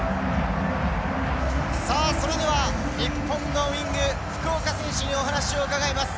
さあそれでは日本のウイング福岡選手にお話を伺います。